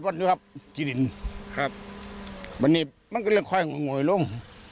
วันนี้มั่งความเขายังโง๊ยร่ง